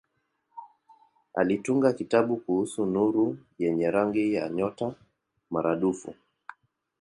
Alitunga kitabu kuhusu nuru yenye rangi ya nyota maradufu.